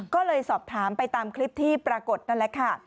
ก็เลยสอบถามไปตามคลิปที่ปรากฏนั่นแหละค่ะ